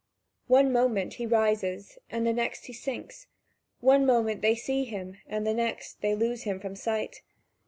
One moment he rises, and the next he sinks; one moment they see him, and the next they lose him from sight.